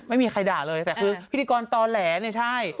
ไม่มีใครด่าเลยแต่คือพิธีกรตอแหลเนี่ยใช่